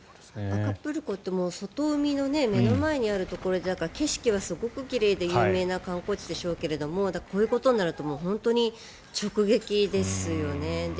アカプルコって外海の目の前にあるところで景色はすごく奇麗で有名な観光地でしょうがこういうことになると本当に直撃ですよね。